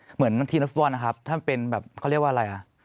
เหมือนทีมนักฟุตบอลนะครับท่านเป็นแบบเขาเรียกว่าอะไรอ่ะ